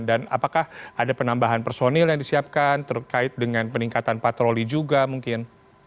dan apakah ada penambahan personil yang disiapkan terkait dengan peningkatan patroli juga mungkin